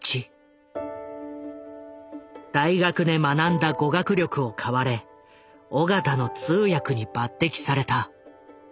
大学で学んだ語学力を買われ緒方の通訳に抜てきされた。